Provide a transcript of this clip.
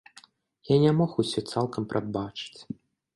Я не мог усё цалкам прадбачыць.